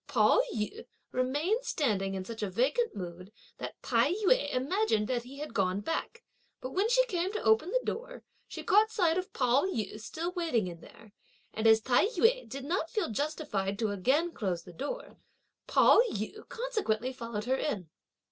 Pao yü remained standing in such a vacant mood that Tai yü imagined that he had gone back; but when she came to open the door she caught sight of Pao yü still waiting in there; and as Tai yü did not feel justified to again close the door, Pao yü consequently followed her in.